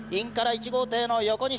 １号艇の横西。